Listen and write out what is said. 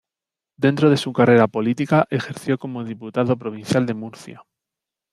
Dentro de su carrera política ejerció como diputado provincial de Murcia.